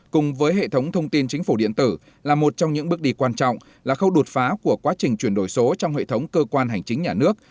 cùng với hệ thống thông tin chính phủ điện tử là một trong những bước đi quan trọng là khâu đột phá của quá trình chuyển đổi số trong hệ thống cơ quan hành chính nhà nước